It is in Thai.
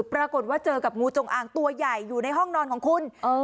ปรากฏว่าเจอกับงูจงอางตัวใหญ่อยู่ในห้องนอนของคุณ